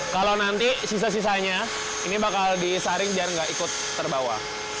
kalau nanti sisa sisanya ini bakal disaring biar nggak ikut terbawa